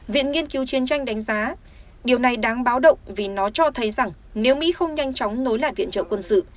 viện nghiên cứu chiến tranh đánh giá điều này đáng báo động vì nó cho thấy rằng nếu mỹ không nhanh chóng nối lại viện trợ quân sự